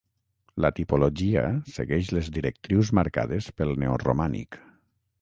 La tipologia segueix les directrius marcades pel neoromànic.